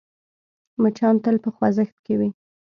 مچان تل په خوځښت کې وي